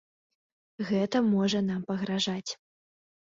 Гэта можа нам пагражаць.